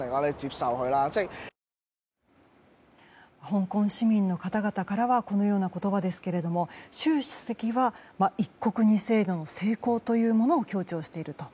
香港市民の方々からはこのような言葉ですけれども習主席は一国二制度の成功というものを強調していると。